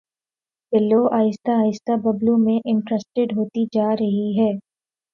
بلو آہستہ آہستہ ببلو میں انٹرسٹیڈ ہوتی جا رہی ہے